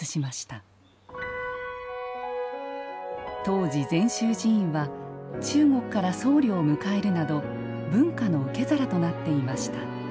当時禅宗寺院は中国から僧侶を迎えるなど文化の受け皿となっていました。